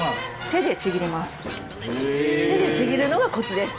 手でちぎるのがコツです。